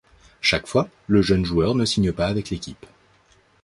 Chaque fois, le jeune joueur ne signe pas avec l'équipe.